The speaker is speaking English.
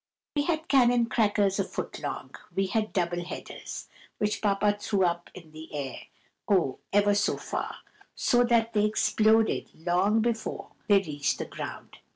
We had cannon crackers a foot long; we had double headers, which papa threw up in the air, oh, ever so far, so that they exploded long before they reached the ground.